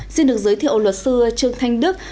xin được giới thiệu luật sư trương thanh đức